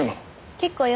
結構よ。